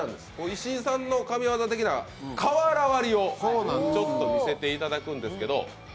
石井さんの神業的な瓦割りを見せていただくんですけど。